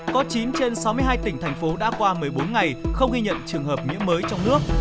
có chín trên sáu mươi hai tỉnh thành phố đã qua một mươi bốn ngày không ghi nhận trường hợp nhiễm mới trong nước